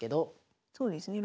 そうですね